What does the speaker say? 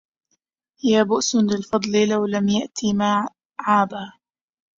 يا بؤس للفضل لو لم يأت ما عابه